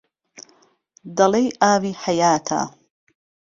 دهڵهی ئاوی حهیاته